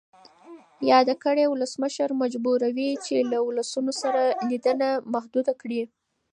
یاده کړۍ ولسمشر مجبوروي چې له ولسونو سره لیدنه محدوده کړي.